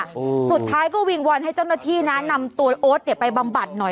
สุดท้ายก็วิงวอนให้เจ้าหน้าที่นะนำตัวโอ๊ตเนี่ยไปบำบัดหน่อย